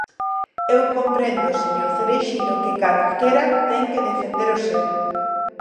Eu comprendo, señor Cereixido, que calquera ten que defender o seu.